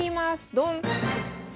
ドン！